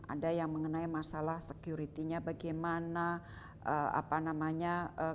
ada yang mengenai masalah security nya bagaimana apa namanya